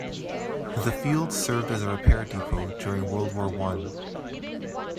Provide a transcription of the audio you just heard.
The field served as a repair depot during World War One.